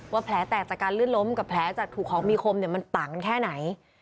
แผลแตกจากการลื่นล้มกับแผลจากถูกของมีคมมันปังแค่ไหน